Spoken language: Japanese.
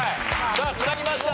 さあ繋ぎました。